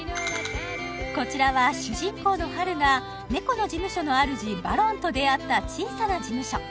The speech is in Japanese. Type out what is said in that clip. こちらは主人公のハルが猫の事務所の主バロンと出会った小さな事務所